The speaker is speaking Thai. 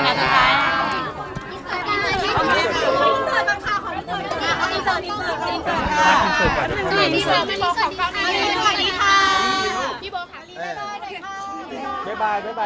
นายรักนะคะ